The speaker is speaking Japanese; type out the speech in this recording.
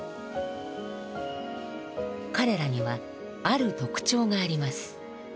彼らにはある特徴があります。